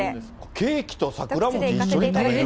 ケーキと桜餅、一緒に食べる？